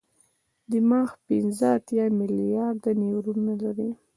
دماغ پنځه اتیا ملیارده نیورون لري.